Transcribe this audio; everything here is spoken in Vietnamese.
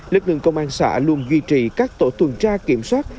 lực lượng công an xã luôn duy trì các tổ tuần tra kiểm soát